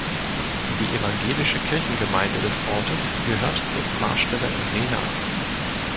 Die Evangelische Kirchengemeinde des Ortes gehört zur Pfarrstelle Rhena.